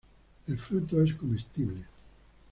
El fruto es comestible.